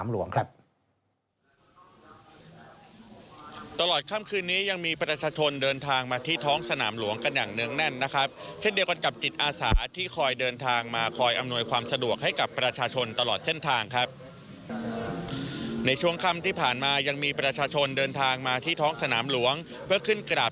รายงานจากท้องสนามหลวงครับ